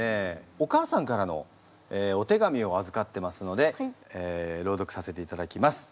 お母さんからのお手紙をあずかってますので朗読させていただきます。